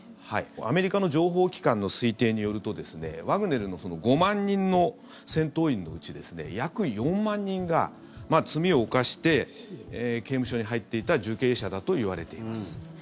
アメリカの情報機関の推定によるとワグネルの５万人の戦闘員のうち約４万人が罪を犯して刑務所に入っていた受刑者だといわれています。